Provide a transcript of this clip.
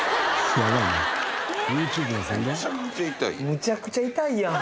むちゃくちゃイタいやん。